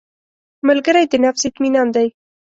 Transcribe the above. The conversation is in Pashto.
ملګری د نفس اطمینان دی